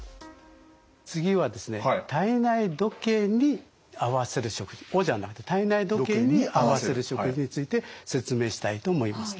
次はですね「を」じゃなくて体内時計に合わせる食事について説明したいと思います。